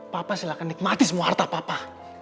papa silahkan nikmati semua harta papa